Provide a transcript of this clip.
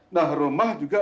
nah rumah juga